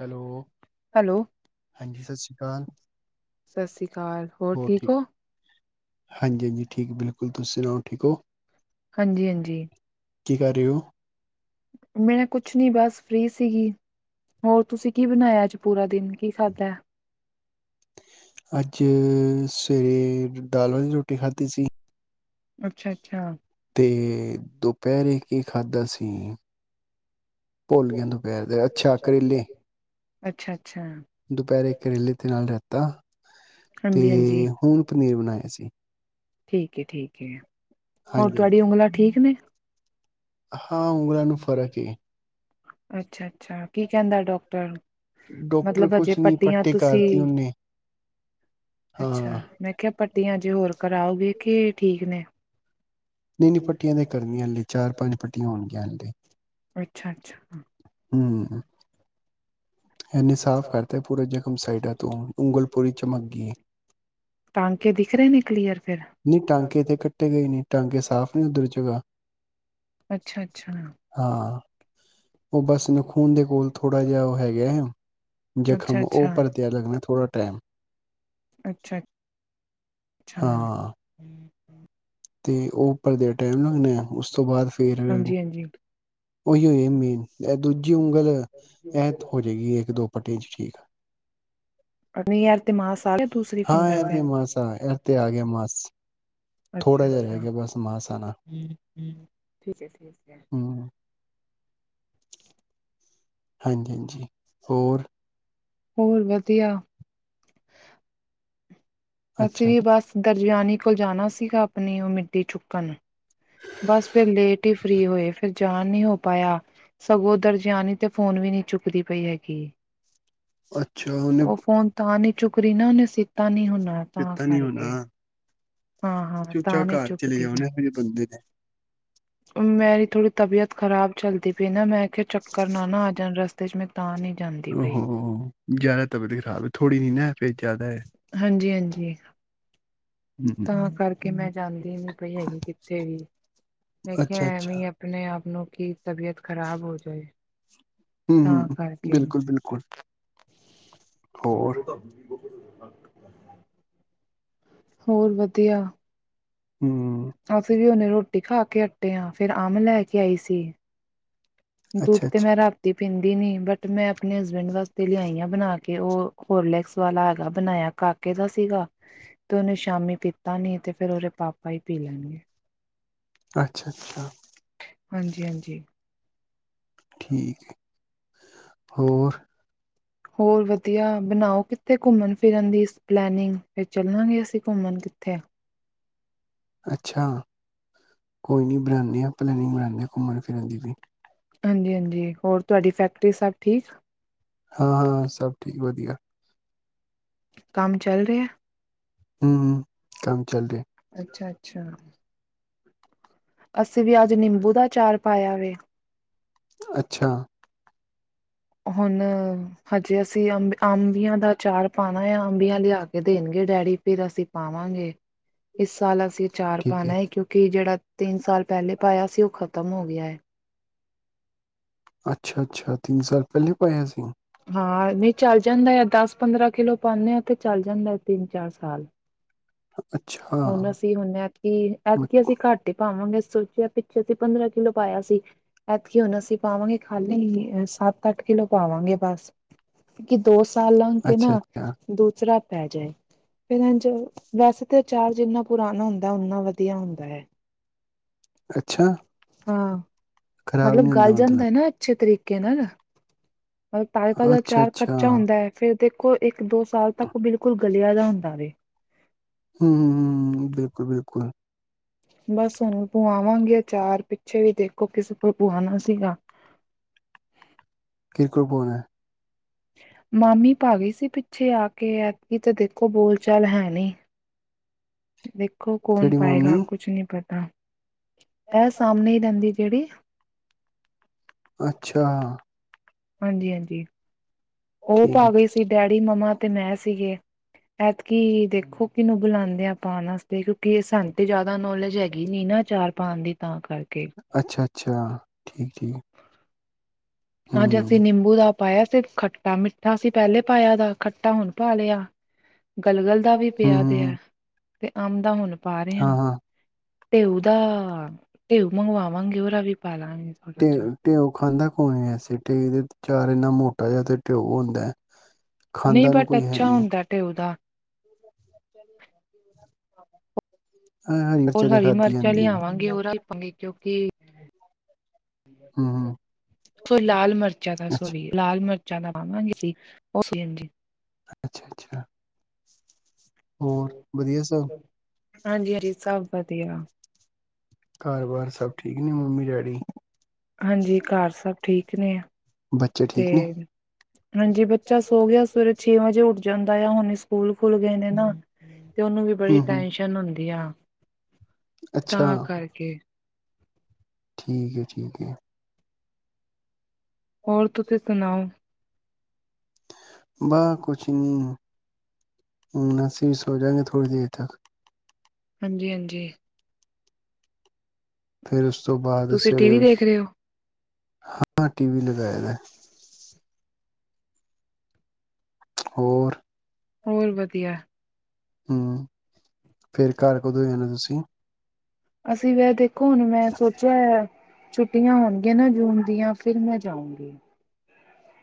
Hello hello, ਹਾਂਜੀ ਸਤਿ ਸ਼੍ਰੀ ਅਕਾਲ ਸਤਿ ਸ਼੍ਰੀ ਅਕਾਲ, ਹੋਰ ਠੀਕ ਹੋ? ਹਾਂਜੀ -ਹਾਂਜੀ ਠੀਕ ਬਿਲਕੁਲ, ਤੁਸੀਂ ਸੁਣਾਓ ਠੀਕ ਹੋ? ਹਾਂਜੀ- ਹਾਂਜੀ ਕੀ ਕਰ ਰਹੇ ਹੋ ਮੈਂ ਕੁਛ ਨਈ ਬਸ ਫ੍ਰਰੀ ਸੀਗੀ, ਹੋਰ ਤੁਸੀਂ ਕੀ ਬਣਾਇਆ, ਅੱਜ ਪੂਰਾ ਦਿਨ ਕੀ ਖਾਧਾ ਅੱਜ ਸਵੇਰੇ, ਦਾਲ ਵਾਲਾਂੀ ਰੋਟੀ ਖਾਧੀ ਸੀ। ਅੱਛਾ -ਅੱਛਾ ਤੇ ਦੁਪਹਿਰ ਕੀ, ਖਾਧਾ ਸੀ। ਭੁੱਲ ਗਿਆ, ਦੁਪਹਿਰ ਦੇ ਅੱਛਾ ਕਰੇਲ਼ੇ ਅੱਛਾ-ਅੱਛਾ, ਦੁਪਹਿਰੇ, ਕਰੇਲੇ ਤੇ ਨਾਲ ਰੈਤਾ, ਤੇ ਹਾਂਜੀ-ਹਾਂਜੀ, ਹੁਣ, ਪਨੀਰ ਬਣਾਇਆ ਸੀ। ਠੀਕ ਏ -ਠੀਕ ਏ ਹੋਰ ਹਾਂਜੀ ਤੁਹਾਡੀਆ ਹਾਂਜੀ ਉਂਗਲਾ ਠੀਕ ਨੇ ਹਾਂ, ਉਗਲਾ ਨੂੰ ਫਰਕ ਏ ਅੱਛਾ -ਅੱਛਾ ਕੀ, ਕਹਿੰਦਾ ਡਾਕਟਰ ਡਾਕਟਰ, ਮਤਲਬ ਅਜੇ ਕੁਛ ਨਈ ਪੱਟੀਆਂ ਪੱਟੀ ਤੁਸੀਂ ਕਰਤੀ ਉਹਨੇ ਅੱਛਾ, ਹਾਂ ਮੈਂ ਕਿਹਾ, ਪੱਟੀਆਂ ਅਜੇ ਹੋਰ, ਕਰਾਓਗੇ ਕਿ ਠੀਕ ਨੇ, ਨਈ -ਨਈ ਪੱਟੀਆਂ ਤੇ ਕਰਨੀਆਂ, ਚਾਰ -ਪੰਜ ਪੱਟੀ- ਆ ਹੋਣਗੀਆਂ ਹਾਲੇ ਅੱਛਾ -ਅੱਛਾ। ਹਮ ਇਹਨੇ ਸਾਫ਼ ਕਰਤਾ, ਪੂਰਾ ਜ਼ਖਮ ਸਾਈਡਾਂ ਤੋਂ, ਉਂਗਲ ਪੂਰੀ ਚਮਕ ਗਈ ਟਾਂਕੇ ਦਿਖ ਰਹੇ ਨੇ, ਕਲੀਅਰ ਫੇਰ ਨਹੀਂੀ ਟਾਂਕੇ ਤੇ ਕੱਟੇ ਗਏ ਨੇ, ਟਾਂਕੇ ਸਾਫ਼ ਨੀ ਉੱਧਰ ਜਗਾ ਅੱਛਾ-ਅੱਛਾ, ਹਾਂ ਉਹ ਬਸ, ਨਖੂਨ ਦੇ ਕੋਲ ਥੋੜਾ ਜਿਹਾ ਉਹ ਹੈਗਾ ਹੈ ਜ਼ਖ਼ਮ, ਉਹ ਅੱਛਾ-ਅੱਛਾ, ਪਰਤਿਆ ਲੱਗਣਾ ਥੋੜਾ ਟਾਈਮ ਅੱਛਾ- ਅੱਛਾ ਹਾਂ ਤੇ ਉਹ ਭਲੇ ਟਾਈਮ ਨਾ, ਲੱਗਣਾ ਉਸ ਤੋਂ ਬਾਅਦ ਫੇ ਰ ਹਾਂਜੀ-ਹਾਂਜੀ। ਉਹੀ ਹੋ ਹੈ ਮੇਨ ਇਹ ਦੂਜੀ ਉਂਗਲ, ਇਹ ਹੋ ਜਾਏਗੀ ਇੱਕ -ਦੋ ਪੱਟੀਆਂ ਚ ਠੀਕ ਨਹੀਂ ਯਾਰ ਤੇ ਮਾਸ ਆ ਗਿਆ ਦੂਸਰੀ ਹਾਂ ਫਿੰਗਰ ਤੇ ਇਹਦੇ ਮਾਂਸੜ ਆਏ ਏਥੇ ਆ ਗਿਆ ਮਾਸੀ ਥੋੜ੍ਹਾ ਜਿਹਾ ਰਹਿ ਗਿਆ ਬਸ ਮਾਸ ਆਣਾ ਹਮ ਠੀਕ ਠੀਕ ਹੂੰ ਹਾਂਜੀ ਹਾਂਜੀ ਹੋਰ ਹੋਰ ਵਧੀਆ ਅਸੀਂ ਅੱਛਾ ਵੀ ਬਸ ਦਰਜਿਆਨੀ ਕੋਲ ਜਾਣਾ ਸੀਗਾ ਆਪਣੀ ਉਹ ਮਿੱਟੀ ਚੁੱਕਣ ਬਸ ਫਿਰ ਲੇਟ ਹੀ ਫ੍ਰਰੀ ਹੋਏ ਫਿਰ ਜਾਨ ਨਹੀ ਹੋ ਪਾਇਆ ਸਗੋਂ ਦਰਜਿਆਾਨ ਤੇ ਫੋਨ ਵੀ ਨਹੀਂ ਚੁੱਕਦੀ ਪਈ ਹੈਗੀ ਅੱਛਾ ਉਹਨੇ ਉਹ ਫੋਨ ਤਾਂ ਨਹੀਂ ਚੁੱਕ ਰਹੀ ਨਾ ਉਹਨੇ ਸੀਤਾ ਨੀ ਹਣਾ ਚੇਤਾ ਨੀ ਹੋਣਾ ਹਾਂ ਹਾਂ ਚੂਚਾ ਤਾਂ ਨਹੀਂ ਘਰ ਚਲੇ ਚੁੱਕਦੀ ਵੀ ਜਾਉਣੇ ਹਜੇ ਬੰਦੇ ਨੇ ਮੇਰੀ ਥੋੜੀ ਤਬੀਅਤ ਖਰਾਬ ਚੱਲਦੀ ਪਈ ਨਾ ਮੈਂ ਚੱਕਰ ਨਾ ਨਾ ਆ ਜਾਣ ਰਸਤੇ ਕੁਝ ਮੈਂ ਤਾਂ ਨਹੀਂ ਜਾਂ ਓਹੋ! ਜ਼ਿਆਦਾ ਤਬੀਅਤ ਖ਼ਰਾਬ ਏ, ਥੋੜ੍ਹੀ ਨੀ ਨਾ ਹੈ, ਫਿਰ ਜ਼ਿਆਦਾ ਹੈ। ਹਾਂਜੀ-ਹਾਂਜੀ! ਹਮ ਤਾਂ ਕਰਕੇ ਮੈਂ ਜਾਂਦੀ ਨੀ ਪਈ ਹੈਗੀ ਕਿੱਥੇ ਵੀ, ਮੈਂ ਕਿਹਾ ਅੱਛਾ ਅੱਛਾ ਐਂਵੇਂ ਅਪਨੇ-ਆਪ ਨੁ ਕੀ, ਤਬੀਅਤ ਖ਼ਰਾਬ ਹੋ ਜਾਏ। ਹਮ ਤਾਂ ਹਮ ਕਰਕੇ। ਬਿਲਕੁਲ ਬਿਲਕੁਲ ਹੋਰ [unintelligible] ਹੋਰ ਵਧੀਆ। ਹੂੰ। ਆ ਫਿਰ ਹੁਨੇ ਰੋਟੀ ਖਾਕੇ ਹੱਟੇ ਆਂ, ਫਿਰ ਅੰਮ ਲੈਕੇ ਆਈ ਸੀ। ਦੁੱਧ ਅੱਛਾ ਤੇ ਮੈ ਅੱਛਾ ਰਾ ਤੀ ਪੀਂਦੀ ਨੀ, ਬਟ ਮੈਂ ਆਪਣੇ ਹਸਬੈਂਡ ਵਾਸਤੇ ਲਿਆਈ ਆਂ ਬਣਾਕੇ, ਉਹ ਹੋਰਲੈਕਸ ਵਾਲਾ ਹੈਗਾ ਬਣਾਇਆ ਘਾਰ ਕੇ ਦਾ ਸੀਗਾ [inaudible] ਤੇ ਉਹਨੂੰ ਸ਼ਾਮੀ ਪੀਤਾ ਨੀ, ਤੇ ਫਿਰ ਉਹਦੇ ਪਾਪਾ ਹੀ ਪੀ ਲੈਣਗੇ। ਅੱਛਾ-ਅੱਛਾ। ਹਾਂਜੀ-ਹਾਂਜੀ। ਠੀਕ ਏ। ਹੋਰ? ਹੋਰ ਵਧੀਆ। ਬਣਾਓ ਕਿੱਥੇ ਘੁੰਮਣ-ਫਿਰਨ ਦੀ ਪਲੈਨਿੰਗ। ਫਿਰ ਚੱਲਾਂਗੇ ਅਸੀਂ ਘੁੰਮਣ ਕਿੱਥੇ। ਅੱਛਾ। ਕੋਈ ਨੀ ਬਣਾਂਨੇ ਆ ਪਲੈਨਿਂਗ ਬਣਾਨੇ ਆਂ, ਘੁੰਮਣ-ਫਿਰਨ ਦੀ ਵੀ। ਹਾਂਜੀ-ਹਾਂਜੀ, ਹੋਰ ਤੁਹਾਡੀ ਫੈਕਟਰੀ ਸਭ ਠੀਕ? ਹਾਂ-ਹਾਂ, ਸਭ ਠੀਕ ਵਧੀਆ। ਕੰਮ ਚੱਲ ਰਿਹਾ? ਹੂੰ, ਹੂੰ ਕੰਮ ਚੱਲ ਰਿਹਾ। ਅੱਛਾ-ਅੱਛਾ! ਅਸੀ ਵੀ ਅੱਜ ਨਿੰਬੂ ਦਾ ਅਚਾਰ ਪਾਇਆ ਵੇ। ਅੱਛਾ! ਹੁਣ, ਹਜੇ ਅਸੀਂ ਅੰਬ, ਅੰਬੀਆਂ ਦਾ ਅਚਾਰ ਪਾਣਾ ਯਾ ਅੰਬੀਆਂ ਲਿਆ ਕੇ ਦੇਣਗੇ ਡੈਡੀ, ਫਿਰ ਅਸੀਂ ਪਾਵਾਂਗੇ। ਇਸ ਸਾਲ ਅਸੀਂ ਅਚਾਰ ਠੀਕ ਹੈ ਪਾਣਾ ਏ, ਕਿਉਂਕਿ ਜਿਹੜਾ ਤਿੰਨ ਸਾਲ ਪਹਿਲੇ ਪਾਇਆ ਸੀ, ਉਹ ਖ਼ਤਮ ਹੋ ਗਿਆ ਹੈ। ਅੱਛਾ-ਅੱਛਾ। ਤਿੰਨ ਸਾਲ ਪਹਿਲੇ ਪਾਇਆ ਸੀ। ਹਾਂ, ਨਹੀਂ ਚੱਲ ਜਾਂਦਾ ਤਾਂ, ਦਸ-ਪੰਦਰਾਂ ਕਿੱਲੋ ਪਾਂਨੇ ਆ ਤੇ ਚੱਲ ਜਾਂਦਾ ਹੈ, ਤਿੰਨ-ਚਾਰ ਸਾਲ। ਅੱਛਾ ਹੁਨ, ਅਸੀਂ ਹੁਣ ਐਤਕੀ, ਐਤਕੀ ਅਸੀਂ ਘੱਟ ਪਾਵਾਂਗੇ, ਸੋਚਿਆ ਪਿੱਛੇ ਅਸੀਂ ਪੰਦਰਾਂ ਕਿਲੋ ਪਾਇਆ ਸੀ, ਐਤਕੀ ਹੁਣ ਅਸੀਂ ਪਾਵਾਂਗੇ ਖਾਲੀ ਸੱਤ-ਅੱਠ ਕਿਲੋ ਪਾਵਾਂਗੇ ਬਸ, ਕਿ ਦੋ-ਸਾਲ ਲੰਘਕੇ ਅੱਛਾ ਨਾ ਅੱਛਾ ਦੂਸਰਾ ਪੈ ਜਾਏ, ਫਿਰ ਐਂਝ ਵੈਸੇ ਤੇ ਅਚਾਰ ਜਿੰਨਾ ਪੁਰਾਣਾ ਹੁੰਦਾ, ਉਂਨਾ ਵਧੀਆ ਹੁੰਦਾ ਐ। ਅੱਛਾ ਹਾਂ, ਖ਼ਰਾਬ ਮਤਲਬ ਨਹੀਂ ਹੁੰਦਾ ਗੱਲ ਮਤਲਬ ਜਾਂਦਾ ਨਾ ਅੱਛੇ ਤਰੀਕੇ ਨਾਲ। ਤਾਜ਼ਾ-ਤਾਜਾ ਅੱਛਾ ਅਚਾਰ ਅੱਛਾ ਕੱਚਾ ਹੁੰਦਾ ਐ, ਫਿਰ ਦੇਖੋ ਇੱਕ-ਦੋ ਸਾਲ ਤੱਕ ਉਹ ਬਿਲਕੁਲ ਗਲਿਆਂ ਦਾ ਹੁੰਦਾ ਵੇ। ਹਂ, ਹਂ, ਹਂ ਹਂ ਬਿਲਕੁਲ। ਬਸ ਹੁਣ ਪਵਾਵਾਂਗੇ ਅਚਾਰ, ਪਿੱਛੇ ਵੀ ਦੇਖੋ ਕਿਸੇ ਕੋਲ ਪੁਵਾਣਾ ਸੀਗਾ। ਕੀਰ ਕੋਲ ਪਵਾਣਾ? ਮਾਮੀ ਪਾ ਗਈ ਸੀ ਪਿੱਛੇ ਆਕੇ, ਐਤਕੀ ਤਾ ਦੇਖੋ ਬੋਲ-ਚਾਲ ਹੈ ਨੀਂ। ਵੇਖੋ ਕੌਣ ਕਿਹੜੀ ਮਾਮੀ ਪਾਏਗਾ, ਕੁਛ ਨ੍ਹੀਂ ਪਤਾ। ਐ, ਸਾਹਮਣੇ ਈ ਰਹਿੰਦੀ ਜੇੜੀ ਅੱਛਾ! ਹਾਂਜੀ-ਹਾਂਜੀ, ਉਹ ਠੀਕ ਪਾ ਗਈ ਸੀ, ਹੈ ਡੈਡੀ, ਮੰਮਾ ਤੇ ਮੈਂ ਸੀਗੇ। ਐਤਕੀ ਦੇਖੋ ਕਿਹਨੂੰ ਬੁਲਾਂਦੇ ਆ ਪਾਣ ਆਸਤੇ ਕਿਉਂਕਿ ਇਹ ਸਾਨੂੰ ਤੇ ਜ਼ਿਆਦਾ ਨੌਲੇਜ ਹੈਗੀ ਨੀ ਨਾ ਚਾਰ ਪਾਣ ਦੀ ਤਾਂ ਕਰਕੇ। ਅੱਛਾ ਅੱਛਾ, ਠੀਕ ਏ। ਅੱਜ ਅਸੀਂ ਨਿੰਬੂ ਦਾ ਪਾਇਆ ਸੀ ਖੱਟਾ-ਮਿੱਠਾ ਅਸੀਂ ਪਹਿਲੇ ਪਾਇਆ ਦਾ ਖੱਟਾ ਹੁਣ ਪਾ ਲਿਆ। ਗਲਗਲ ਦਾ ਵੀ ਹੂੰ ਪਿਆ ਦੇ ਐ ਹੂੰ, ਤੇ ਅੰਮ ਦਾ ਹੁਣ ਪਾ ਰਏ ਹਾਂ ਆਂ। ਹਾਂ ਟੇਉਦਾ ਟੇਉ ਮਗਵਾਵਾਂਗੀ ਓਰਦਾ ਵੀ ਪਾਲਾਂਗੀ। ਟਿਊ ਟਿਊ ਖਾਂਦਾ ਕੋਣ ਏ ਵੈਸੇ, ਟਿਊ ਦੇ ਚਾਰ ਇੰਨਾ ਮੋਟਾ ਜਿਹਾ ਤੇ ਟਿਊ ਹੁੰਦਾ। ਨਈਂ ਖਾਂਦਾ ਨੂੰ ਬਟ ਕੋਈ ਹੈ ਅੱਛਾ ਹੁੰਦਾ ਢਿਓ ਦਾ। ਹਾਂ ਹਾਂ ਹੋਰ ਹਰੀ ਮਿਰਚਾਂ ਲਿਆਵਾਂਗੀ ਉਹਰਾ ਵੀ ਪਾਂਗੇ ਕਿਉਂਕਿ ਹੂੰ ਹੂੰ, ਸੋ ਲਾਲ ਮਿਰਚਾਂ ਦਾ ਅੱਛਾ ਸੋਲੀਏ ਲਾਲ ਮਿਰਚਾਂ ਦਾ ਪਾਵਾਂਗੇ ਅਸੀਂ ਉਹ ਸੀ ਹਾਂਜੀ। ਅੱਛਾ ਅੱਛਾ, ਹੋਰ ਵਧੀਆ ਸਭ। ਹਾਂਜੀ, ਹਾਂਜੀ ਸਭ ਵਧੀਆ। ਘਰ-ਬਾਰ ਸਭ ਠੀਕ ਨੇ ਮੰਮੀ ਡੈਡੀ। ਹਾਂਜੀ ਘਰ ਸਭ ਠੀਕ ਨੇ ਬੱਚੇ ਤੇ ਠੀਕ ਨੇ ਹਾਂਜੀ ਬੱਚਾ ਸੋ ਗਿਆ ਸਵੇਰੇ ਛੇ ਵਜੇ ਉੱਠ ਜਾਂਦਾ ਆ ਹੁਣ ਸਕੂਲ ਖੁੱਲ ਗਏ ਨੇ ਨਾ ਤੇ ਉਹਨੂੰ ਵੀ ਬੜੀ ਹੂੰ ਹੂੰ ਟੈਸ਼ਨ ਹੁੰਦੀ ਆ ਅੱਛਾ ਤਾਂ ਕਰਕੇ। ਠੀਕ ਐ, ਠੀਕ ਐ। ਹੋਰ ਤੁਸੀਂ ਸੁਣਾਓ? ਬਾਹ ਕੁਛ ਨ੍ਹੀਂ, ਅਸੀ ਸੋ ਜਾਂਗੇ ਥੋੜੀ ਦੇਰ ਤੱਕ। ਹਾਂਜੀ, ਹਾਂਜੀ। ਫਿਰ ਉਸ ਤੋਂ ਬਾਅਦ ਤੁਸੀਂ ਟੀ ਸਵੇਰੇ, ਵੀ ਦੇਖ ਰਹੇ ਹੋ ਹਾਂ ਟੀ ਵੀ ਲਗਾਇਆ ਦਾ। ਹੋਰ। ਹੋਰ ਵਧੀਆ। ਹਂ ਫੇਰ ਘਰ ਕਦੋਂ ਜਾਣਾ ਤੁਸੀਂ। ਅਸੀਂ ਵੈਹੇ ਦੇਖੋ ਹੁਣ ਮੈਂ ਸੋਚਿਆ ਹੋਇਆ ਛੁੱਟੀਆਂ ਹੋਣਗੀਆਂ ਨਾ ਜੂਨ ਦੀਆਂ ਫਿਰ ਮੈਂ ਜਾਉਂਗੀ।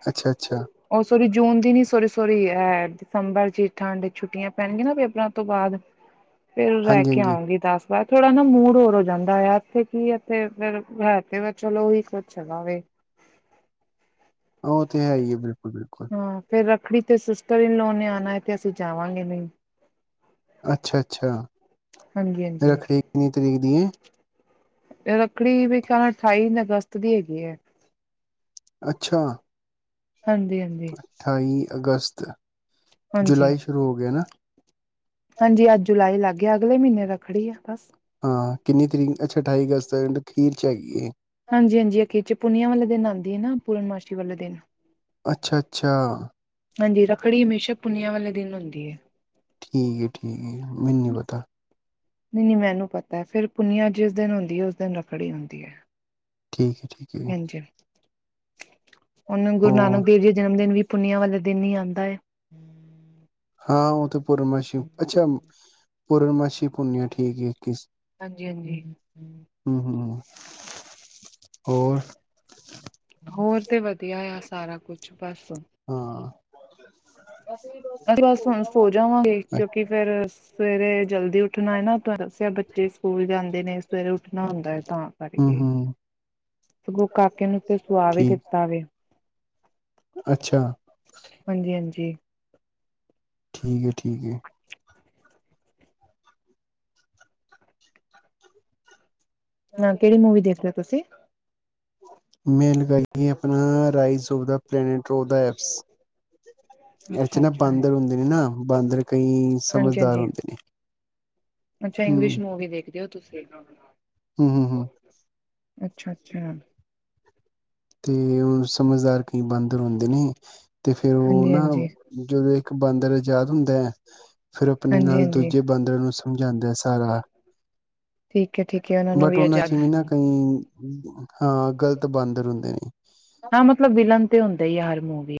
ਅੱਛਾ, ਅੱਛਾ। ਉਹ ਸੋਰੀ ਜੂਨ ਦੀ ਨੀਂ ਸੋਰੀ, ਸੋਰੀ ਐ ਦਸੰਬਰ ਚ ਠੰਡ ਛੁੱਟੀਆਂ ਪੈਣਗੀਆਂ ਨਾ ਪੇਪਰਾਂ ਤੋਂ ਬਾਅਦ ਫੇਰ ਰਹਿ ਹਾਂਜੀ ਕੇ ਹਾਂਜੀ ਆਉਂਗੀ ਦਸ ਬਾਦ ਥੋੜਾ ਨਾ ਮੂਡ ਹੋਰ ਹੋ ਜਾਂਦਾ ਆ ਇੱਥੇ ਕੀ ਇਥੇ ਫਿਰ ਹੈ ਤੇ ਵ ਚਲੋ ਉਹੀ ਕੁਸ਼ ਹੈਗਾ ਵੇ। ਉਹ ਤੇ ਹੈ ਹੀ ਹੈ ਬਿਲਕੁਲ, ਬਿਲਕੁਲ। ਫਿਰ ਰੱਖੜੀ ਤੇ ਸਿਸਟਰ ਇਨਲੋ ਨੇ ਆਉਣਾ ਹੈ ਤੇ ਅਸੀਂ ਜਾਵਾਂਗੇ ਨਹੀਂ। ਅੱਛਾ, ਅੱਛਾ। ਹਾਂਜੀ, ਹਾਂਜੀ। ਰੱਖੜੀ ਕਿੰਨੀ ਤਰੀਕ ਦੀ ਹੈ ਰੱਖੜੀ ਮੇਰੇ ਖਿਆਲ ਅਠਾਈ ਅਗਸਤ ਦੀ ਹੈਗੀ ਹੈ। ਅੱਛਾ! ਹਾਂਜੀ, ਹਾਂਜੀ। ਅਠਾਈ ਅਗਸਤ ਹਾਂਜੀ ਜੁਲਾਈ ਸ਼ੁਰੂ ਹੋ ਗਿਆ ਨਾ। ਹਾਂਜੀ ਅੱਜ ਜੁਲਾਈ ਲੱਗ ਗਿਆ ਅਗਲੇ ਮਹੀਨੇ ਰੱਖੜੀ ਆ ਬਸ। ਹਾਂ ਕਿੰਨੀ ਤਰੀਕ ਅੱਛਾ ਅਠਾਈ ਅਗਸਤ ਅਖੀਰ ਚਚ ਹੈਗੀਏ। ਹਾਂਜੀ, ਹਾਂਜੀ ਅਖੀਰ ਚ ਪੁੁੰਨੀਆਂ ਵਾਲੇ ਦਿਨ ਆਉਂਦੀ ਹੈ ਨਾ ਪੂਰਨਮਾਸ਼ੀ ਵਾਲੇ ਦਿਨ। ਅੱਛਾ, ਅੱਛਾ। ਹਾਂਜੀ ਰੱਖੜੀ ਹਮੇਸ਼ਾ ਪੁਨਿਆ ਵਾਲੇ ਦਿਨ ਹੁੰਦੀ ਏ। ਠੀਕ ਹੈ, ਠੀਕ ਹੈ ਜ ਮੈਨੂ ਨਹੀਂ ਪਤਾ। ਨਹੀਂ, ਮੈਨੂੰ ਪਤਾ ਫੇਰ ਪੁਨੀਆ ਜਿਸ ਦਿਨ ਹੁੰਦੀ ਉਸ ਦਿਨ ਰੱਖੜੀ ਹੁੰਦੀ ਏ। ਠੀਕ ਹੈ ਜੀ ਹਾਂਜੀ। ਹੁਣ ਗੁਰੂ ਨਾਨਕ ਹੋਰ ਦੇਵ ਜੀ ਦਾ ਜਨਮ ਦਿਨ ਵੀ ਪੁੁੰਨੀਆਂ ਵਾਲੇ ਦਿਨ ਹੀ ਆਉਂਦਾ ਹੈ। ਹਾਂ ਉਹ ਤਾਂ ਪੂਰਨਮਾਸੀ ਅੱਛਾ! ਪੂਰਨਮਾਸੀ ਪੂਨਿਆ ਠੀਕ ਹੈ ਇੱਕੀ ਹਾਂਜੀ, ਹਾਂਜੀ ਹਮ, ਹਮ ਹੋਰ। ਹੋਰ ਤੇ ਵਧੀਆ ਆ ਸਾਰਾ ਕੁਛ ਬਸ। ਹਾਂ। ਅਸੀਂ ਬਸ ਹੁਣ ਸੋ ਜਾਵਾਂਗੇ ਕਿਉਂਕਿ ਫੇਰ ਸਵੇਰੇ ਜਲਦੀ ਉੱਠਣਾ ਏ ਨਾ ਤੁਹਾਨੂੰ ਦੱਸਿਆ ਬੱਚੇ ਸਕੂਲ ਜਾਂਦੇ ਨੇ ਸਵੇਰੇ ਉੱਠਣਾ ਹੁੰਦਾ ਹੈ ਤਾਂ ਕਰਕੇ ਹਮ ਸਗੋਂ ਕਾਕੇ ਨੂੰ ਤੇ ਸੁਆ ਵੀ ਠੀਕ ਦਿੱਤਾ ਵੇ ਅੱਛਾ! ਹਾਂਜੀ, ਹਾਂਜੀ ਠੀਕ ਏ, ਠੀਕ ਏ। ਨਾ ਕਿਹੜੀ ਮੂਵੀ ਦੇਖਦੇ ਹੋ ਤੁਸੀਂ? ਮੈਂ ਲਗਾਈਏ ਆਪਣਾ ਰਾਈਜ਼ੋਵ ਦਾ ਪਲੈਨਟਰੋ ਦਾ ਐਪਸ ਇਦੇ ਚ ਨਾ ਅੱਛਾ-ਅੱਛਾ, ਬਾਂਦਰ ਹੁੰਦੇ ਨੇ ਨਾ ਬਾਂਦਰ ਕਈ ਸਮਝਦਾਰ ਹਾਂਜੀ-ਹਾਂਜੀ, ਹੁੰਦੇ ਨੇ। ਅੱਛਾ ਹੂੰ ਇੰਗਲਿਸ਼ ਮੁ ਓਵੀ ਦੇਖਦੇ ਹੋ। ਤੁਸੀਂ ਹੀ ਕਹਿ ਦੋ ਹਮ, ਹਮ, ਹਮ ਅੱਛਾ, ਅੱਛਾ ਤੇ ਓ ਸਮਝਦਾਰ ਕਈ ਬਾਂਦਰ ਹੁੰਦੇ ਨੇ ਤੇ ਫੇਿ਼ਰ ਉਹ ਨਾ ਹਾਂਜੀ-ਹਾਂਜੀ, ਜਦੋਂ ਇੱਕ ਬਾਂਦਰ ਆਜ਼ਾਦ ਹੁੰਦਾ ਹੈ। ਫਿਰ ਆਪਣੇ ਨਾਲ ਹਾਂਜੀ-ਹਾਂਜੀ, ਦੂਜੇ ਬਾਂਦਰਾਂ ਨੂੰ ਸਮਝਾਉਂਦਾ ਸਾਰਾ। ਠੀਕ ਹੈ ਠੀਕ ਹੈ ਨੂੰ ਬਟ ਉਹਨਾਂ ਚ ਆਜ਼ਾਦ ਵੀ ਨਾ ਕਈ ਹਾਂ ਗ਼ਲਤ ਬਾਂਦਰ ਹੁੰਦੇ ਨੇ ਹਾਂ ਮਤਲਬ ਵਿਲਨ ਤੇ ਹੁੰਦਾ ਈ ਆ, ਹਰ ਮੂਵੀ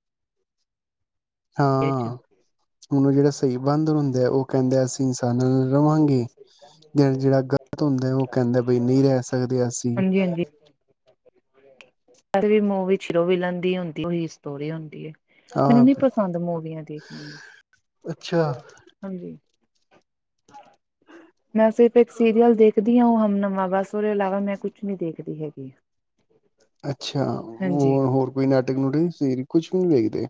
ਵਿੱਚ ਹਾਂ, ਹੁਣ ਔ ਜੇੜਾ ਸ ਈ ਬਾਂਦ ਹੁੰਦੇ ਐ, ਔ ਕੈਂਦੇ ਅਸੀਂ ਸਾਨਵੇ ਰਵਾਂਗੀ। ਜਿਵੇਂ ਕਿ ਜੇੜਾ ਗ਼ਲਤ ਹੁੰਦੈ, ਔ ਕੈਂਦੇ ਬਈ ਨੀ ਰੈ ਸਕਦੇ ਅਸੀਂ। ਹੜਵੀ [unintelligible] ਮੂੰਵੀ ਚ ਹੀਰੋ, ਵਿਲਣ ਦੀ ਹੁੰਦੀ ਹੋਈ ਸਟੋਰੀ ਹੁੰਦੀ ਐ। ਮੈਨੂੰ ਨੀ ਆਹ ਪਸੰਦ ਮੂਵੀਆਂ ਦੇਖਣੀਆਂ। ਅੱਛਾ, ਹਾਂਜੀ। ਮੈਂ ਸਿਰਫ ਇੱਕ ਸੀਰੀਅਲ ਦੇਖਦੀ ਆ, ਹੁਨ ਨਵਾ ਬਸ। ਔਦੇ ਲਾਵਾ ਮੈਂ ਕੁਛ ਨੀ ਦੇਖਦੀ ਹੈਗੀ। ਅੱਛਾ, ਹੋ ਹਾਂਜੀ। ਹੋਰ ਕੋਈ ਨਾਟਕ ਨੂਟਕ ਸੀਰਅ ਕੁਛ ਵੀ ਨੀ ਵੇਖਦੇ।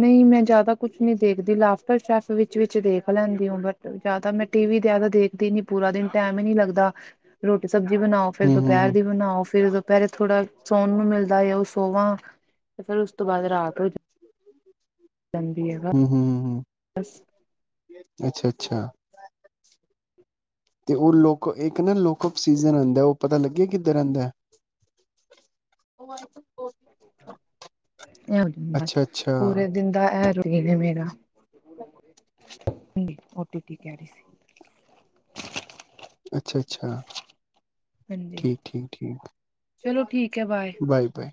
ਨ ਈ ਮੈਂ ਜ਼ਿਆਦਾ ਕੁਛ ਨੀ ਦੇਖਦੀ, ਲਾਫਟਰ ਸ਼ੈਫ ਵਿੱਚ- ਵਿਚ ਦੇਖ ਲੈਂਦੀ ਔ ਮੈਂ ਜਾਦਾ ਮੈਂ ਟੀ ਵੀ ਜਾਦਾ ਦੇਖਦੀ ਨੀ ਪੂਰਾ ਦਿਨ, ਟੈਮ ਈ ਨੀ ਲੱਗਦਾ। ਰੋਟੀ ਸਬਜ਼ੀ ਬਣਾਔ- ਫੇਰ ਹੂੰ ਦੋਪੈਰ ਹੂੰ ਦੀ ਬਣਾ ਔ, ਫੇਰ ਦੋਪੈਰੇ ਥੋੜਾ, ਸੋਣ ਨੂੰ ਮਿਲ ਜਾਏ ਹੈ ਔ ਸੋਵਾਂ। ਫੇਰ ਉਸ ਤੋਂ ਬਾਅਦ ਰਾਤ ਨੂ [unintelligible] ਹਮ-ਹਮ-ਹਮ, ਅੱਛਾ-ਅੱਛਾ। ਤੇ ਔ ਲੋਕ, ਇੱਕ ਨਾ ਲੋਕਫ ਸੀਜ਼ਨ ਆਊੰਦੈਂ, ਔ ਪਤਾ ਲੱਗਿਆ ਕਿੱਧਰ ਰੈਂਦੈਂ। [unintelligible] ਇਹ ਹੋ ਜਾਂਦਾ ਅੱਛਾ ਅੱਛਾ ਪੂਰੇ [unintelligible] [unintelligible] ਦਿੰਦਾ ਐ ਰੂਟੀਨ ਨੇ ਮੇਰਾ ਔ ਟੀ ਪੀ ਕੈ ਰੇ [inaudible] ਅੱਛਾ- ਅੱਛਾ। ਹਾਂਜੀ ਠੀਕ -ਠੀਕ-ਠੀਕ, ਚਲੋ ਠੀਕ ਹੈ ਬਾਏ ਬਾਏ-ਬਾਏ।